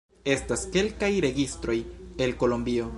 Estas kelkaj registroj el Kolombio.